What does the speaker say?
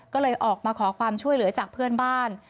ก็เลยออกมาขอความช่วยเหลือจากเพื่อนบ้าน